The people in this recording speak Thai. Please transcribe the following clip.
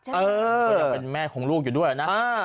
เขายังเป็นแม่ของลูกอยู่ด้วยนะ